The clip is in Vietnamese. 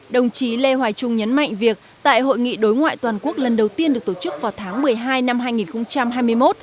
đồng chí lê hoài trung nhấn mạnh việc tại hội nghị đối ngoại toàn quốc lần đầu tiên được tổ chức vào tháng một mươi hai năm hai nghìn hai mươi một